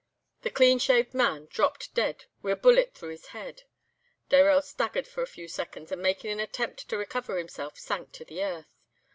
"The clean shaved man dropped dead, wi' a bullet through his head; Dayrell staggered for a few seconds and making an attempt to recover himself, sank to the earth.